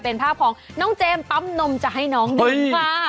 เป็นภาพของน้องเจมส์ปั๊มนมจะให้น้องดูค่ะ